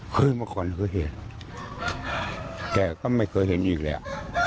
เคยมาก่อนเคยเห็นแกก็ไม่เคยเห็นอีกแล้ว